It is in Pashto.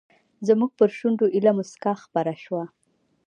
زموږ پر شونډو ایله موسکا خپره شوه.